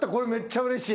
うれしい！